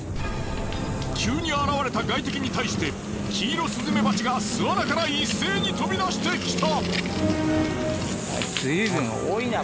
急に現れた外敵に対してキイロスズメバチが巣穴から一斉に飛び出してきた。